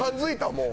もう。